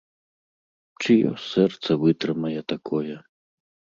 Чыё сэрца вытрымае такое?